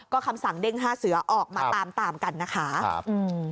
ก็คำสั่งเด้น๕เสือออกมาตามกันนะครับ